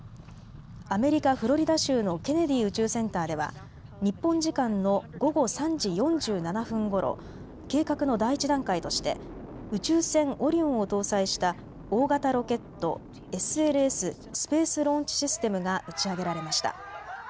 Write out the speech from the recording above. アメリカ・フロリダ州のケネディ宇宙センターでは日本時間の午後３時４７分ごろ、計画の第１段階として宇宙船、オリオンを搭載した大型ロケット、ＳＬＳ・スペース・ローンチ・システムが打ち上げられました。